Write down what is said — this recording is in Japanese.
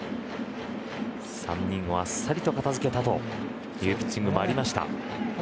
３人をあっさりと片付けたというピッチングもありました。